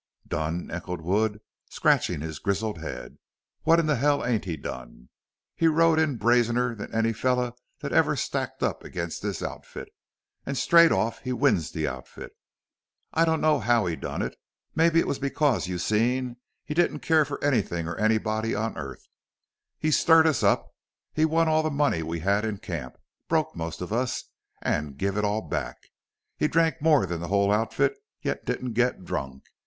"Done?" echoed Wood, scratching his grizzled head. "What in the hell ain't he done?... He rode in brazener than any feller thet ever stacked up against this outfit. An' straight off he wins the outfit. I don't know how he done it. Mebbe it was because you seen he didn't care fer anythin' or anybody on earth. He stirred us up. He won all the money we had in camp broke most of us an' give it all back. He drank more'n the whole outfit, yet didn't get drunk.